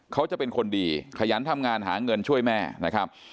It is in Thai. เขาจะเป็นคนดีขยันทำงานหาเงินช่วยแม่นะครับ